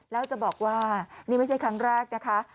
แล้วจะบอกว่านี่ไม่ใช่ครั้งแรกนะคะ